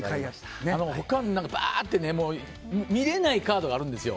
他にバーって見れないカードがあるんですよ。